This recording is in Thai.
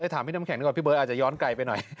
ถามพี่น้ำแข็งก่อนพี่เบิร์ตอาจจะย้อนไกลไปหน่อย